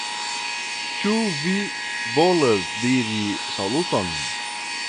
Ĉu vi volas diri saluton?